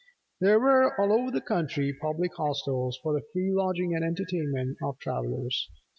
There were all over the country Public Hostels for the free lodging and entertainment of travellers.